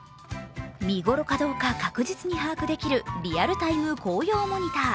見頃かどうか確実に把握できるリアルタイム紅葉モニター。